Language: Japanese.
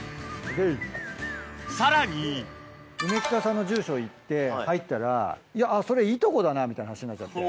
さらに梅北さんの住所行って入ったらそれいとこだなみたいな話になっちゃって。